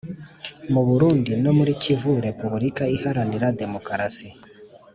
mu Burundi no muri Kivu Repuburika iharanira Demokarasi